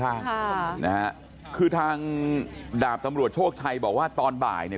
ค่ะนะฮะคือทางดาบตำรวจโชคชัยบอกว่าตอนบ่ายเนี่ย